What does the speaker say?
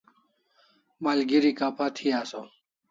Malgeri kapha thi asaw